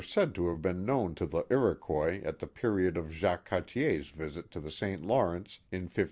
aid to have been known to the Iroquois at the period of Jacques Cartier's visit to the St, Lawrence in 1535.